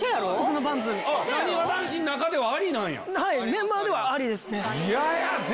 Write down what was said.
メンバーではありですね。